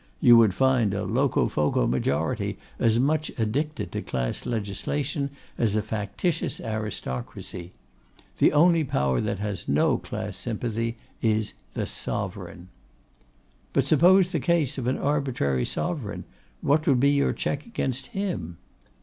You would find a Locofoco majority as much addicted to Class Legislation as a factitious aristocracy. The only power that has no class sympathy is the Sovereign.' 'But suppose the case of an arbitrary Sovereign, what would be your check against him?